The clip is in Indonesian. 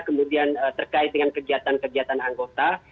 kemudian terkait dengan kegiatan kegiatan anggota